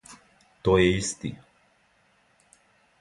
То је исти.